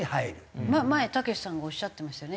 前たけしさんがおっしゃってましたよね。